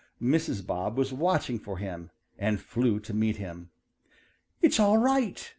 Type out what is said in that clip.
Mrs. Bob was watching for him and flew to meet him. "It's all right!"